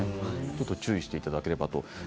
注意していただければと思います。